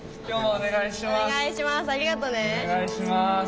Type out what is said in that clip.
今日もお願いします。